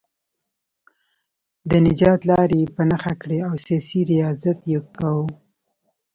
د نجات لارې یې په نښه کړې او سیاسي ریاضت یې کاوه.